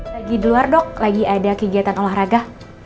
lagi di luar dok lagi ada kegiatan olahraga